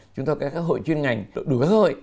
chúng ta có các hội chuyên ngành đủ cơ hội